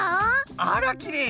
あらきれい。